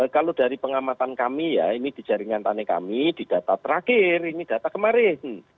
kalau dari pengamatan kami ya ini di jaringan tani kami di data terakhir ini data kemarin